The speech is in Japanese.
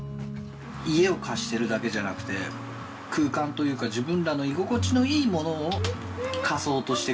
家を貸してるだけじゃなくて空間というか自分らの居心地のいいものを貸そうとしてくれる。